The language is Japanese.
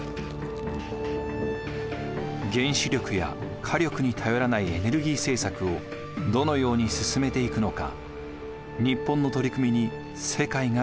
原子力や火力に頼らないエネルギー政策をどのように進めていくのか日本の取り組みに世界が注目しています。